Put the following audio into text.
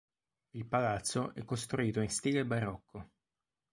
Il palazzo è costruito in stile barocco.